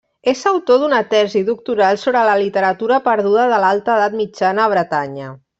És autor d'una tesi doctoral sobre la literatura perduda de l'Alta edat mitjana a Bretanya.